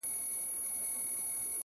ته به د خوب په جزيره كي گراني _